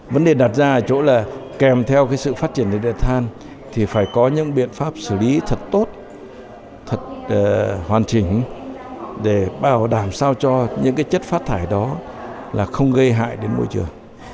vấn đề đặt ra ở chỗ là kèm theo sự phát triển than thì phải có những biện pháp xử lý thật tốt thật hoàn chỉnh để bảo đảm sao cho những chất phát thải đó là không gây hại đến môi trường